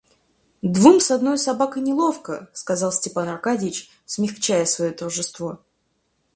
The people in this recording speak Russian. Двум с одною собакой неловко, — сказал Степан Аркадьич, смягчая свое торжество.